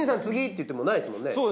次って言ってもないですもんね。